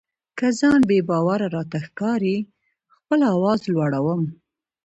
که ځان بې باوره راته ښکاري خپل آواز لوړوم.